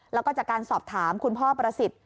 แล้วก็จากการสอบถามคุณพ่อประสิทธิ์